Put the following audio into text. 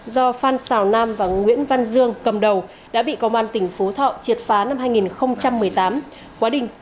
do phan xào nam và nguyễn văn dương cầm đầu đã bị công an tỉnh phú thọ triệt phá năm hai nghìn một mươi tám